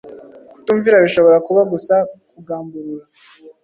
Kutumvira bishobora kuba gusa kugamburura